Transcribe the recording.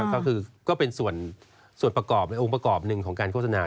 ก็คือก็เป็นส่วนประกอบในองค์ประกอบหนึ่งของการโฆษณา